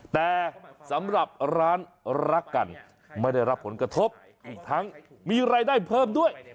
แต่สำหรับร้านรักกันไม่ได้รับผลกระทบอีกทั้งมีรายได้เพิ่มด้วย